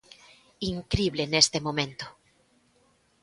Incrible neste momento.